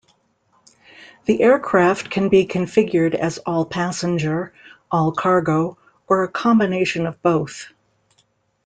The aircraft can be configured as all-passenger, all-cargo or a combination of both.